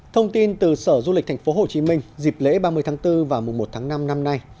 thông tin từ sở du lịch tp hcm dịp lễ ba mươi tháng bốn và mùa một tháng năm năm nay